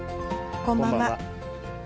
こんばんは。